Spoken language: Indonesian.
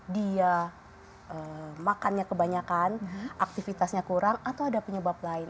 dia makannya kebanyakan aktivitasnya kurang atau ada penyebab lain